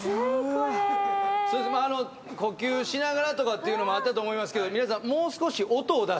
呼吸しながらってあったと思いますけど皆さん。